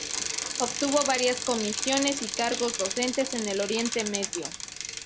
Obtuvo varias comisiones y cargos docentes en el Oriente Medio.